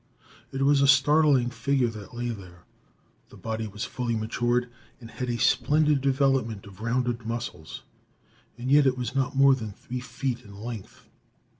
It was a startling figure that lay there. The body was fully matured and had a splendid development of rounded muscles and yet it was not more than three feet in length.